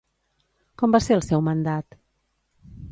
Com va ser el seu mandat?